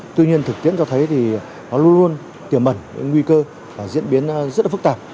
tuy nhiên thực tiễn cho thấy thì nó luôn luôn tiềm mẩn những nguy cơ và diễn biến rất là phức tạp